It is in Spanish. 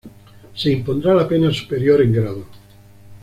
Se impondrá la pena superior en grado.